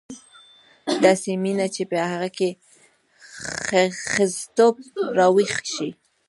داسې مینه چې په هغه کې ښځتوب راویښ شي.